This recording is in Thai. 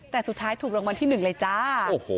แต่สุดท้ายถูกรางวัลที่๑เลยจ้า